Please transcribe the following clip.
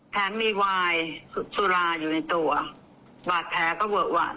แถมมีวายสุราอยู่ในตัวบาดแผลก็เวอะหวะ